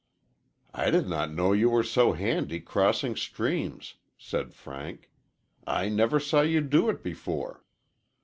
"I did not know you were so handy crossing streams," said Frank. "I never saw you do it before."